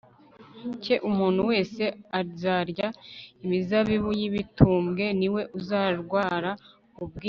cye Umuntu wese uzarya imizabibu y ibitumbwe ni we uzarwara ubwinyo